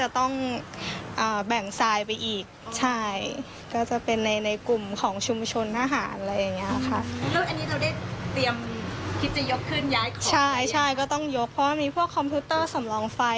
ต้องยกไปก่อนเดี๋ยวเครื่องมันเสียค่ะ